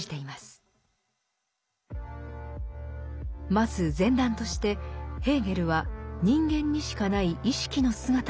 まず前段としてヘーゲルは人間にしかない意識の姿を提示します。